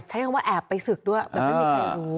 ใช้คำว่าแอบไปศึกด้วยแบบไม่มีใครรู้